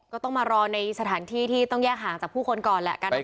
ก็ต้องมารอในสถานที่ที่ต้องแยกห่างจากผู้คนก่อนแหละ